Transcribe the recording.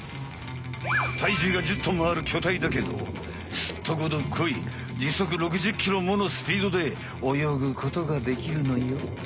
体重が１０トンもあるきょたいだけどすっとこどっこい時速６０ｋｍものスピードでおよぐことができるのよ。